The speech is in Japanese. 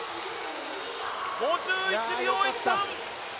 ５１秒１３！